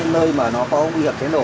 nơi mà nó có nguy hiểm chế nổ